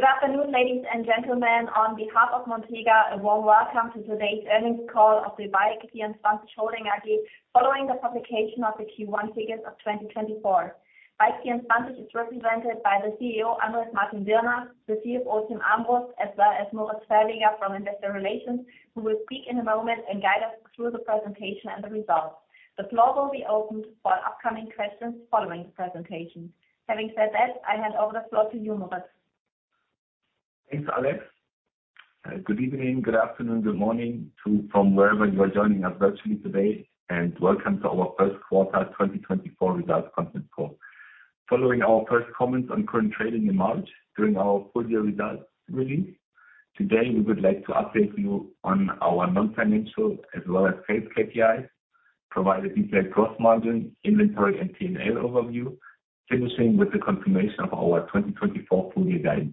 Good afternoon, ladies and gentlemen. On behalf of Montega, a warm welcome to today's earnings call of the Bike24 Holding AG, following the publication of the Q1 figures of 2024. Bike24 is represented by the CEO, Andrés Martin-Birner, the CFO, Timm Armbrust, as well as Moritz Verleger from Investor Relations, who will speak in a moment and guide us through the presentation and the results. The floor will be opened for upcoming questions following the presentation. Having said that, I hand over the floor to you, Moritz. Thanks, Alex. Good evening, good afternoon, good morning from wherever you are joining us virtually today, and welcome to our first quarter 2024 results conference call. Following our first comments on current trading in March during our full year results release, today, we would like to update you on our non-financial as well as sales KPIs, provide a detailed gross margin, inventory, and P&L overview, finishing with the confirmation of our 2024 full year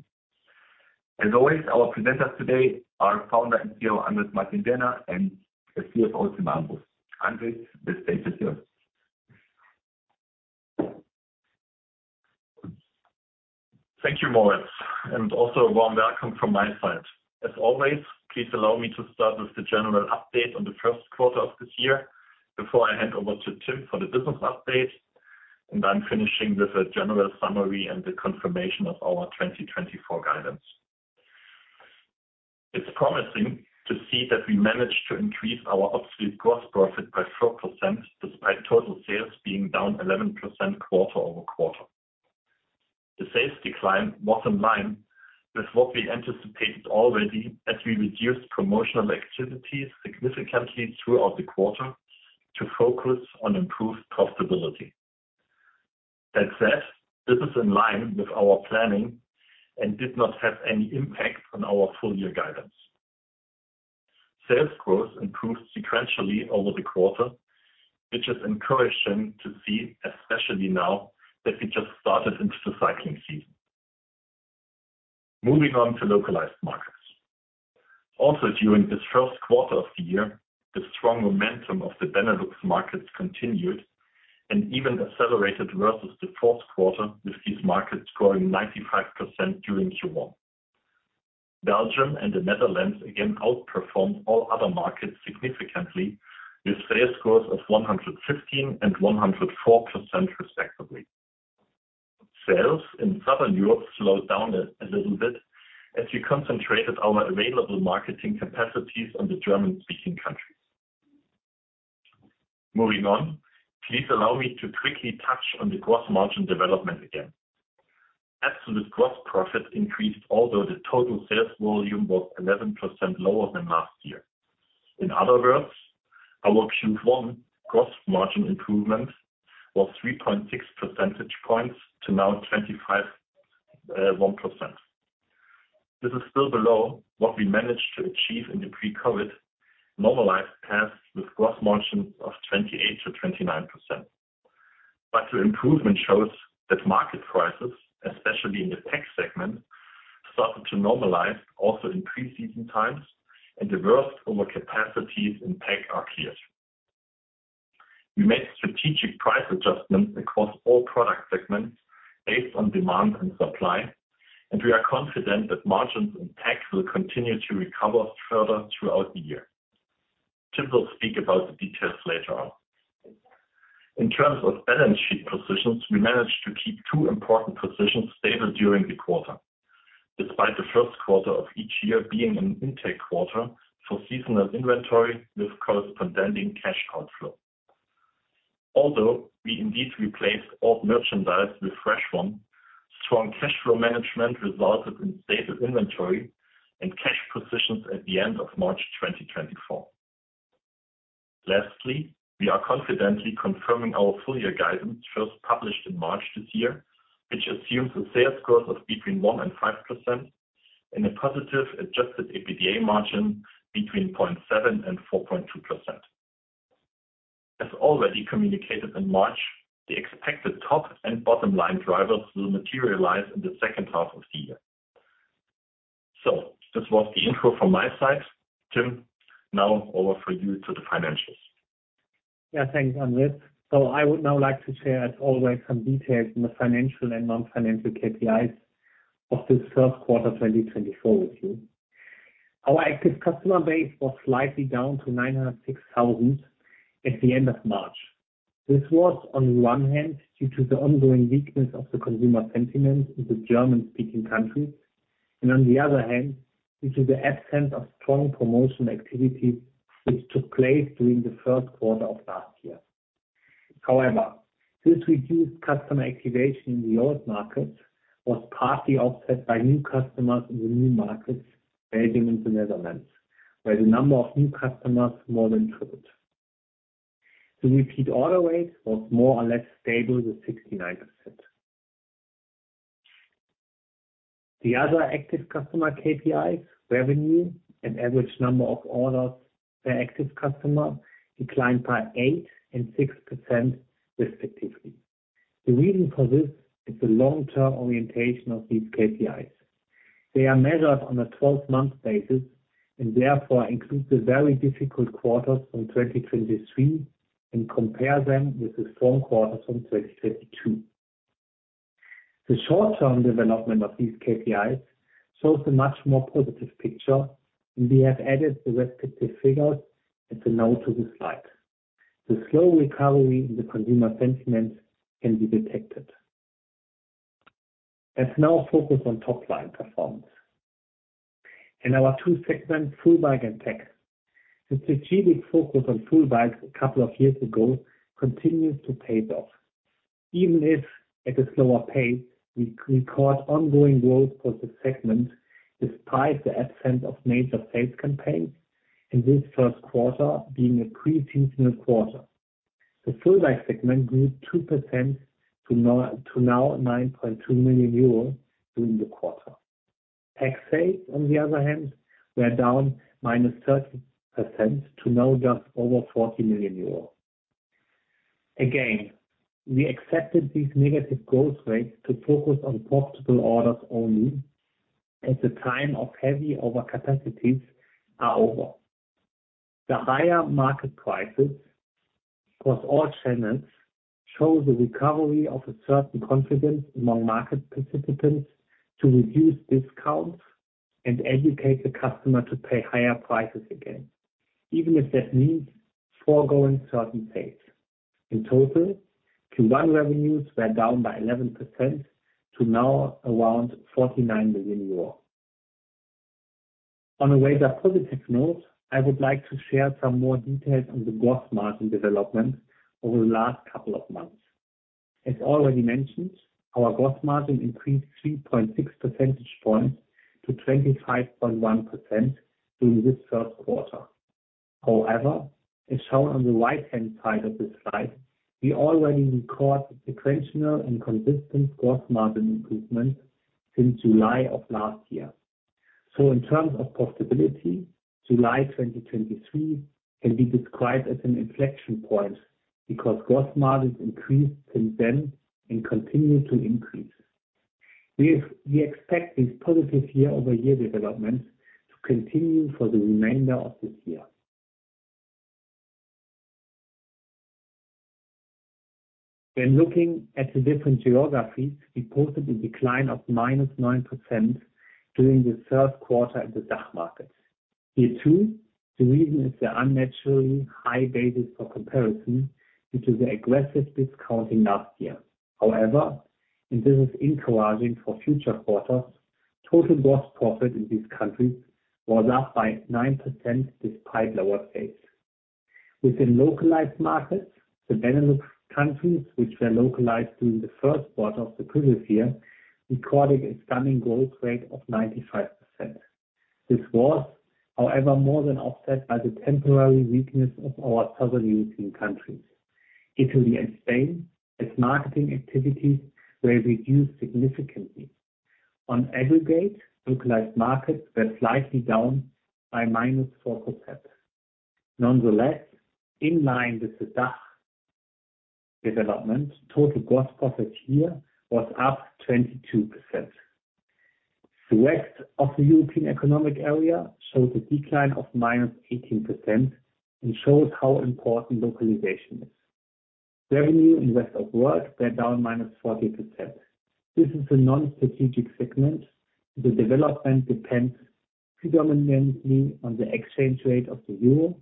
guidance. As always, our presenters today are founder and CEO, Andrés Martin-Birner, and the CFO, Timm Armbrust. Andrés, the stage is yours. Thank you, Moritz, and also a warm welcome from my side. As always, please allow me to start with the general update on the first quarter of this year before I hand over to Tim for the business update, and I'm finishing with a general summary and the confirmation of our 2024 guidance. It's promising to see that we managed to increase our absolute gross profit by 4%, despite total sales being down 11% quarter over quarter. The sales decline was in line with what we anticipated already, as we reduced promotional activities significantly throughout the quarter to focus on improved profitability. That said, this is in line with our planning and did not have any impact on our full year guidance. Sales growth improved sequentially over the quarter, which is encouraging to see, especially now that we just started into the cycling season. Moving on to localized markets. Also, during this first quarter of the year, the strong momentum of the Benelux markets continued and even accelerated versus the fourth quarter, with these markets growing 95% during Q1. Belgium and the Netherlands again outperformed all other markets significantly, with sales growth of 115 and 104%, respectively. Sales in Southern Europe slowed down a little bit as we concentrated our available marketing capacities on the German-speaking countries. Moving on, please allow me to quickly touch on the gross margin development again. Absolute gross profit increased, although the total sales volume was 11% lower than last year. In other words, our Q1 gross margin improvement was 3.6 percentage points to now 25.1%. This is still below what we managed to achieve in the pre-COVID normalized path, with gross margin of 28%-29%. The improvement shows that market prices, especially in the tech segment, started to normalize also in pre-season times and reversed over capacities in tech SKUs. We made strategic price adjustments across all product segments based on demand and supply, and we are confident that margins in tech will continue to recover further throughout the year. Tim will speak about the details later on. In terms of balance sheet positions, we managed to keep two important positions stable during the quarter, despite the first quarter of each year being an intake quarter for seasonal inventory with corresponding cash outflow. Although we indeed replaced old merchandise with fresh one, strong cash flow management resulted in stable inventory and cash positions at the end of March 2024. Lastly, we are confidently confirming our full-year guidance, first published in March this year, which assumes a sales growth of between 1% and 5% and a positive Adjusted EBITDA margin between 0.7% and 4.2%. As already communicated in March, the expected top and bottom line drivers will materialize in the second half of the year. So this was the intro from my side. Timm, now over to you for the financials. Yeah, thanks, Andrés. So I would now like to share, as always, some details on the financial and non-financial KPIs of this first quarter 2024 with you. Our active customer base was slightly down to 906,000 at the end of March. This was, on one hand, due to the ongoing weakness of the consumer sentiment in the German-speaking country, and on the other hand, due to the absence of strong promotional activities which took place during the first quarter of last year. However, this reduced customer activation in the old markets was partly offset by new customers in the new markets, mainly in the Netherlands, where the number of new customers more than tripled. The repeat order rate was more or less stable at 69%. The other active customer KPIs, revenue, and average number of orders per active customer, declined by 8% and 6%, respectively. The reason for this is the long-term orientation of these KPIs. They are measured on a 12-month basis and therefore include the very difficult quarters from 2023 and compare them with the strong quarters from 2022. The short-term development of these KPIs shows a much more positive picture, and we have added the respective figures at the note of this slide. The slow recovery in the consumer sentiment can be detected. Let's now focus on top line performance. In our two segments, full bike and tech, the strategic focus on full bikes a couple of years ago continues to pay off. Even if at a slower pace, we record ongoing growth for the segment, despite the absence of major sales campaigns, and this first quarter being a pre-seasonal quarter. The full bike segment grew 2% to now 9.2 million euros during the quarter. Tech sales, on the other hand, were down -13% to now just over 40 million euros. Again, we accepted these negative growth rates to focus on profitable orders only as the time of heavy overcapacities are over. The higher market prices across all channels show the recovery of a certain confidence among market participants to reduce discounts and educate the customer to pay higher prices again, even if that means foregoing certain sales. In total, Q1 revenues were down by 11% to now around 49 million euros. On a positive note, I would like to share some more details on the gross margin development over the last couple of months. As already mentioned, our gross margin increased 3.6 percentage points to 25.1% during this first quarter. However, as shown on the right-hand side of this slide, we already record sequential and consistent gross margin improvement since July of last year. So in terms of profitability, July 2023 can be described as an inflection point, because gross margins increased since then and continue to increase. We expect this positive year-over-year development to continue for the remainder of this year. When looking at the different geographies, we posted a decline of -9% during the first quarter at the DACH market. Here, too, the reason is the unnaturally high basis for comparison due to the aggressive discounting last year. However, and this is encouraging for future quarters, total gross profit in these countries was up by 9% despite lower sales. Within localized markets, the Benelux countries, which were localized during the first quarter of the previous year, recorded a stunning growth rate of 95%. This was, however, more than offset by the temporary weakness of our southern European countries, Italy and Spain, as marketing activities were reduced significantly. On aggregate, localized markets were slightly down by -4%. Nonetheless, in line with the DACH development, total gross profit here was up 22%. The rest of the European Economic Area showed a decline of -18% and shows how important localization is. Revenue in rest of world were down -40%. This is a non-strategic segment. The development depends predominantly on the exchange rate of the euro,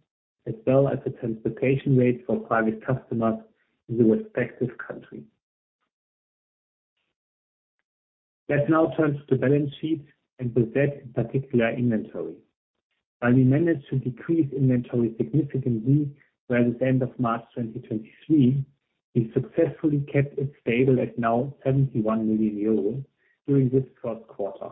as well as the transportation rate for private customers in the respective country. Let's now turn to the balance sheet and with that, particular inventory. While we managed to decrease inventory significantly by the end of March 2023, we successfully kept it stable at now 71 million euros during this first quarter.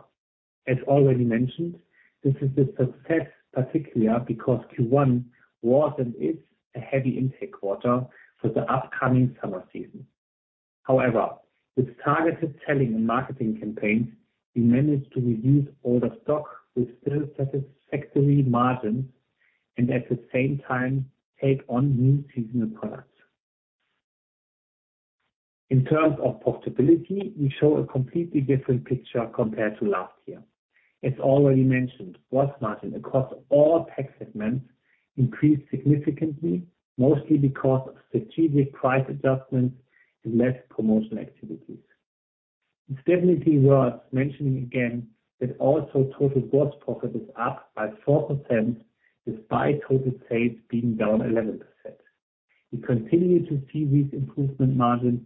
As already mentioned, this is a success, particularly because Q1 was and is a heavy intake quarter for the upcoming summer season. However, with targeted selling and marketing campaigns, we managed to reduce older stock with still satisfactory margins, and at the same time, take on new seasonal products. In terms of profitability, we show a completely different picture compared to last year. As already mentioned, gross margin across all tech segments increased significantly, mostly because of strategic price adjustments and less promotional activities. It's definitely worth mentioning again that also total gross profit is up by 4%, despite total sales being down 11%. We continue to see these improvement margins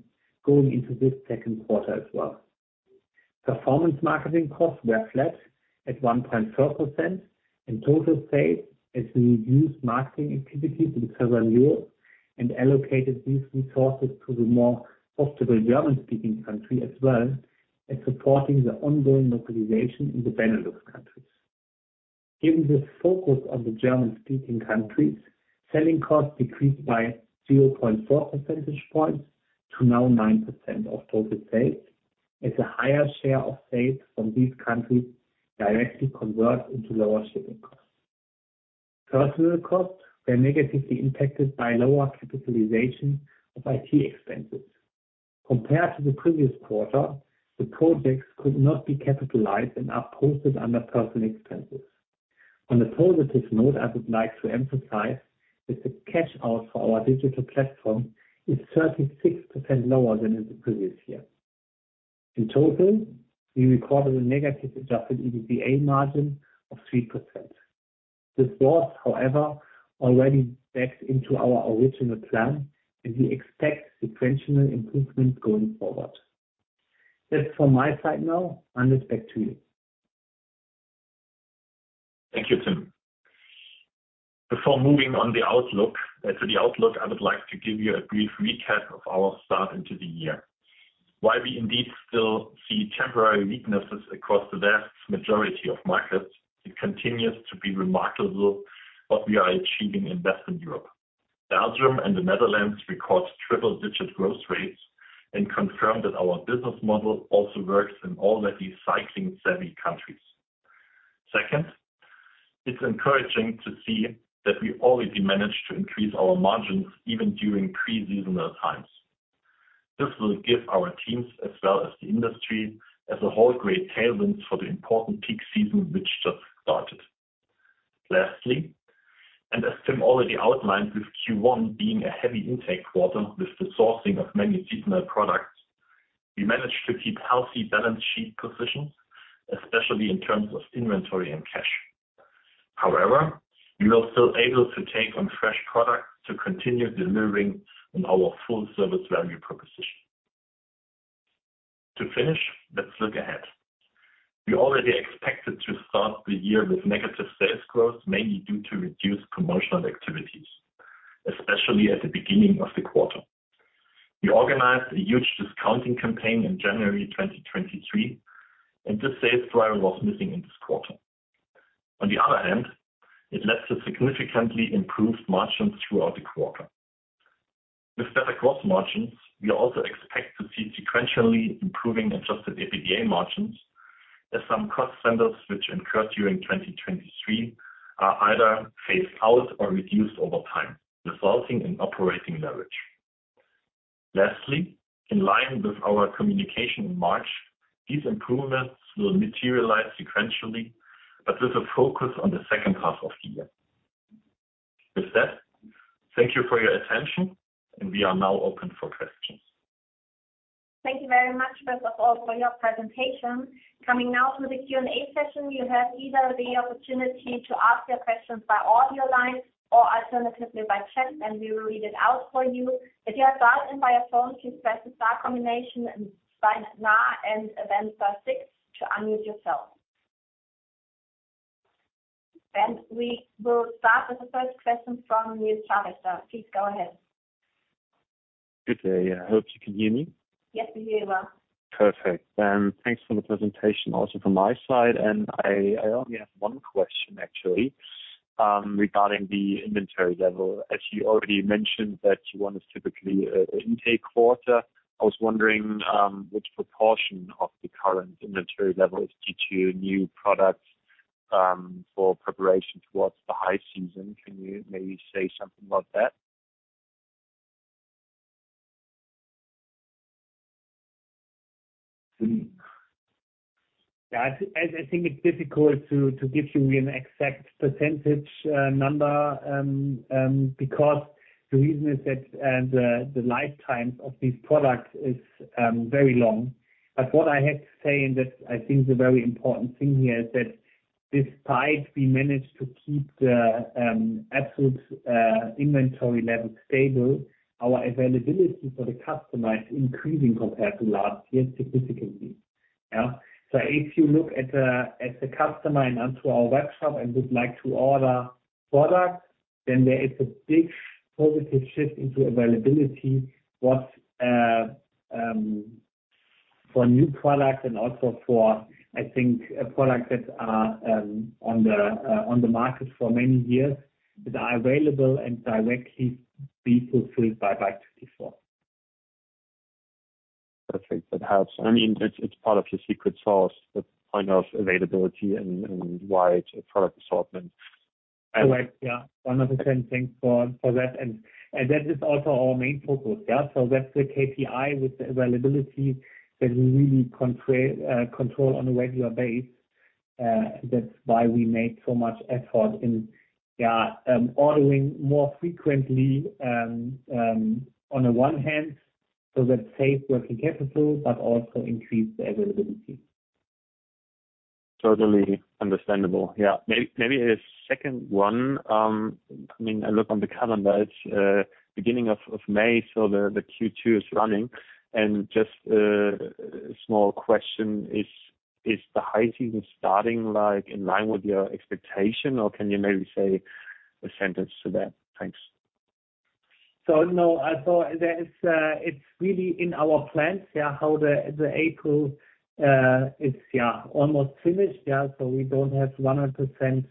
going into this second quarter as well. Performance marketing costs were flat at 1.4% in total sales, as we reduced marketing activities in Southern Europe and allocated these resources to the more profitable German-speaking country, as well as supporting the ongoing localization in the Benelux countries. Given the focus on the German-speaking countries, selling costs decreased by 0.4 percentage points to now 9% of total sales, as a higher share of sales from these countries directly convert into lower shipping costs. Personal costs were negatively impacted by lower capitalization of IT expenses. Compared to the previous quarter, the projects could not be capitalized and are posted under personal expenses. On a positive note, I would like to emphasize that the cash out for our digital platform is 36% lower than in the previous year. In total, we recorded a negative adjusted EBITDA margin of 3%. This was, however, already backed into our original plan, and we expect sequential improvement going forward. That's from my side now, Andrés, back to you. Thank you, Timm. Before moving on to the outlook, I would like to give you a brief recap of our start into the year. While we indeed still see temporary weaknesses across the vast majority of markets, it continues to be remarkable what we are achieving in Western Europe. Belgium and the Netherlands record triple-digit growth rates and confirm that our business model also works in all the cycling-savvy countries. Second, it's encouraging to see that we already managed to increase our margins even during pre-seasonal times. This will give our teams, as well as the industry as a whole, great tailwinds for the important peak season, which just started. Lastly, and as Tim already outlined, with Q1 being a heavy intake quarter with the sourcing of many seasonal products, we managed to keep healthy balance sheet positions, especially in terms of inventory and cash. However, we were still able to take on fresh product to continue delivering on our full service value proposition. To finish, let's look ahead. We already expected to start the year with negative sales growth, mainly due to reduced promotional activities, especially at the beginning of the quarter. We organized a huge discounting campaign in January 2023, and this sales driver was missing in this quarter. On the other hand, it led to significantly improved margins throughout the quarter. With better gross margins, we also expect to see sequentially improving adjusted EBITDA margins, as some cost centers which incurred during 2023 are either phased out or reduced over time, resulting in operating leverage. Lastly, in line with our communication in March, these improvements will materialize sequentially, but with a focus on the second half of the year. With that, thank you for your attention, and we are now open for questions. Thank you very much, first of all, for your presentation. Coming now to the Q&A session, you have either the opportunity to ask your questions by audio line or alternatively by chat, and we will read it out for you. If you are dialed in via phone, please press the star combination and sign star, and then star six to unmute yourself. We will start with the first question from Nils Scharwächter. Please go ahead. Good day. I hope you can hear me. Yes, we hear you well. Perfect. Thanks for the presentation, also from my side. And I, I only have one question actually, regarding the inventory level. As you already mentioned that Q1 is typically an intake quarter, I was wondering, which proportion of the current inventory level is due to new products, for preparation towards the high season. Can you maybe say something about that? Yeah, I think it's difficult to give you an exact percentage number. Because the reason is that the lifetime of these products is very long. But what I have to say, and that I think the very important thing here, is that despite we managed to keep the absolute inventory level stable, our availability for the customer is increasing compared to last year significantly. Yeah. So if you look at the customer and onto our webshop and would like to order products, then there is a big positive shift into availability for new products and also for, I think, products that are on the market for many years, that are available and directly be fulfilled by Bike24. Perfect. That helps. I mean, it's, it's part of your secret sauce, the point of availability and, and wide product assortment. Right. Yeah. 100%. Thanks for that. And that is also our main focus. Yeah, so that's the KPI with the availability that we really control on a regular basis. That's why we made so much effort in, yeah, ordering more frequently, on the one hand, so that saves working capital but also increase the availability. Totally understandable. Yeah. Maybe a second one. I mean, I look on the calendar, it's beginning of May, so the Q2 is running. And just a small question: is the high season starting, like, in line with your expectation, or can you maybe say a sentence to that? Thanks. So no, I thought there is, it's really in our plans, yeah, how April is almost finished. Yeah, so we don't have 100%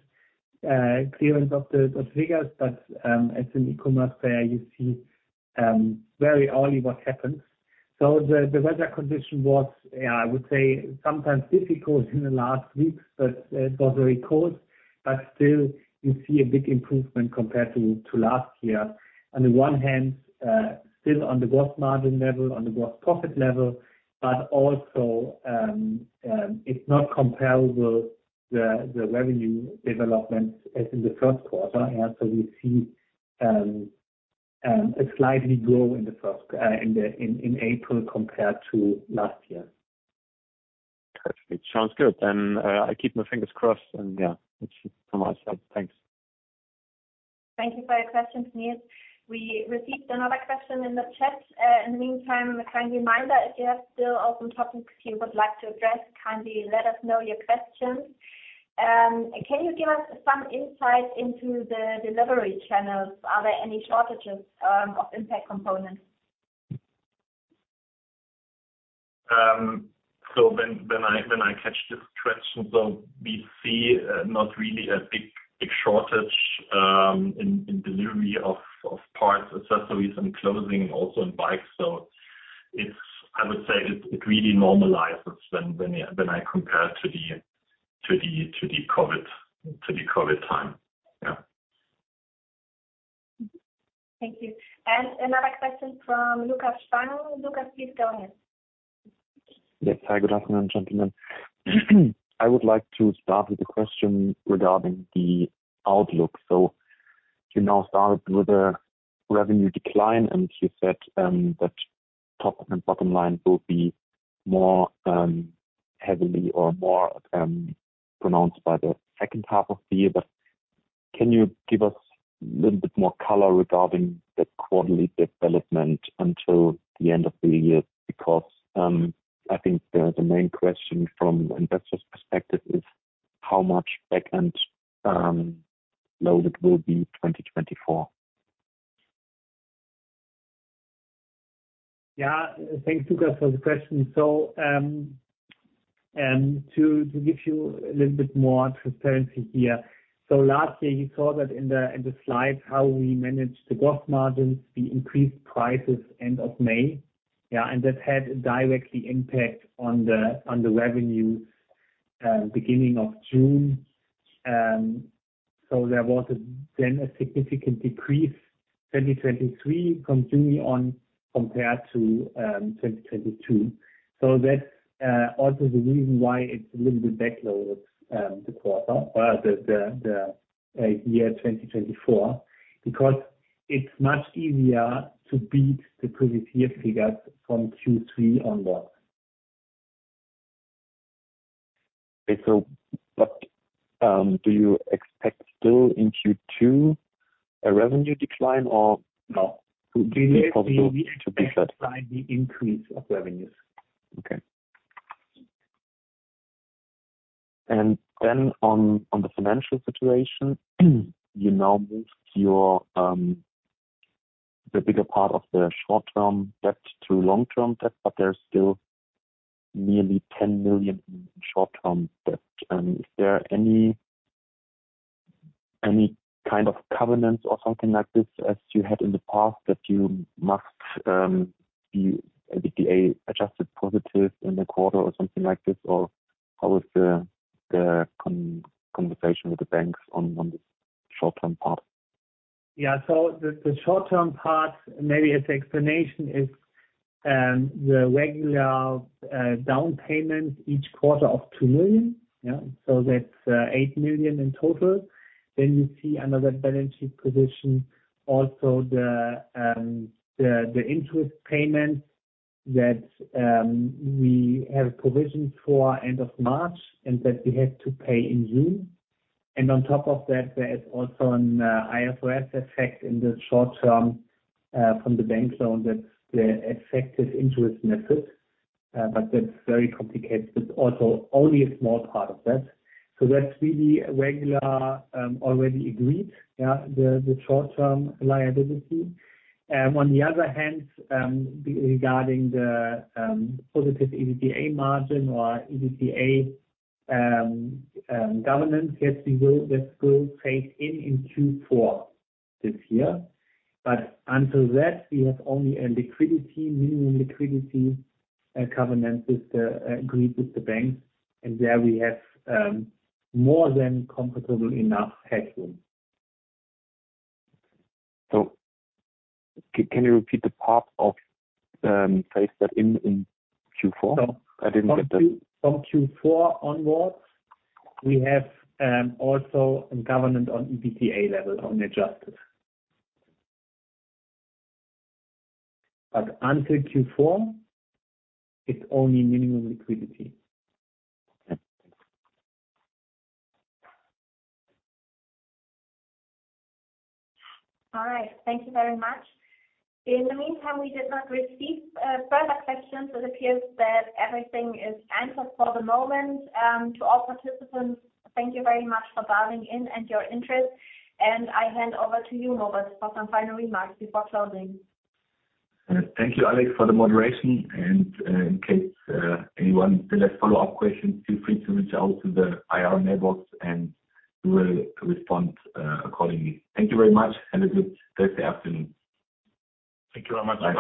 certainty of the figures. But as an e-commerce player, you see very early what happens. So the weather condition was, I would say, sometimes difficult in the last weeks, but it was very cold. But still, you see a big improvement compared to last year. On the one hand, still on the gross margin level, on the gross profit level, but also, it's not comparable, the revenue development as in the first quarter. And so we see a slight growth in April compared to last year. Perfect. Sounds good. And, I keep my fingers crossed, and, yeah, that's so much. Thanks. Thank you for your question, Nils. We received another question in the chat. In the meantime, a kind reminder, if you have still open topics you would like to address, kindly let us know your questions. Can you give us some insight into the delivery channels? Are there any shortages of impact components? So when I catch this question, we see not really a big shortage in delivery of parts, accessories and clothing, and also in bikes. So it's, I would say, it really normalizes when I compare to the COVID time. Yeah. Thank you. And another question from Lucas Spang. Lucas, please go ahead. Yes. Hi, good afternoon, gentlemen. I would like to start with a question regarding the outlook. So you now start with a revenue decline, and you said that top and bottom line will be more heavily or more pronounced by the second half of the year. But can you give us a little bit more color regarding the quarterly development until the end of the year? Because I think the main question from investors' perspective is, how much back-end loaded will be 2024? Yeah. Thanks, Lucas, for the question. So, and to give you a little bit more transparency here. So last year you saw that in the slides, how we managed the gross margins, we increased prices end of May. Yeah, and that had a directly impact on the revenue, beginning of June. So there was a then a significant decrease, 2023, continuing on compared to 2022. So that's also the reason why it's a little bit backloaded, the quarter, the year 2024, because it's much easier to beat the previous year figures from Q3 onwards. Okay. But do you expect still in Q2 a revenue decline or- No. Possible to beat that? We expect by the increase of revenues. Okay. And then on the financial situation, you now moved your the bigger part of the short-term debt through long-term debt, but there's still nearly 10 million in short-term debt. Is there any kind of covenants or something like this, as you had in the past, that you must be adjusted EBITDA positive in the quarter or something like this? Or how is the conversation with the banks on the short-term part? Yeah. So the short-term part, maybe as explanation is the regular down payment each quarter of 2 million. Yeah, so that's 8 million in total. Then you see another balance sheet position, also the interest payment that we have provisioned for end of March, and that we have to pay in June. And on top of that, there is also an IFRS effect in the short term from the bank loan that the effective interest method, but that's very complicated. That's also only a small part of that. So that's really a regular already agreed, yeah, the short-term liability. On the other hand, regarding the positive EBITDA margin or EBITDA governance, yes, we will, this will take in Q4 this year. But until that, we have only a minimum liquidity covenant that we agreed with the bank. And there we have more than comfortable enough headroom. So can you repeat the part of phase that in, in Q4? No. I didn't get that. From Q4 onward, we have also a covenant on EBITDA level, on adjusted. But until Q4, it's only minimum liquidity. All right. Thank you very much. In the meantime, we did not receive further questions. It appears that everything is answered for the moment. To all participants, thank you very much for dialing in and your interest. I hand over to you, Robert, for some final remarks before closing. Thank you, Alex, for the moderation. And, in case anyone still has follow-up questions, feel free to reach out to the IR mailbox, and we will respond accordingly. Thank you very much, and a good rest of the afternoon. Thank you very much. Bye-bye.